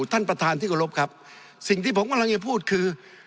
ท่านประธานที่กรบครับสิ่งที่ผมกำลังจะพูดคือ